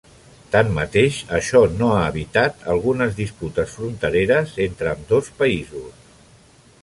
Tanmateix, això no ha evitat algunes disputes frontereres entre ambdós països.